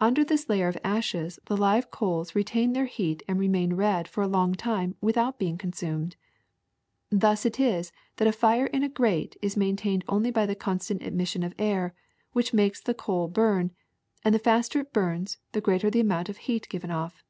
Under this layer of ashes the live coals retain their heat and remain red for a long time without being consumed. Thus it is that a fire in a grate is maintained only by the constant admission of air, which makes the coal burn ; and the faster it burns, the greater the amount of heat given off.